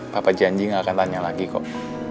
papa janji gak akan tanya lagi kok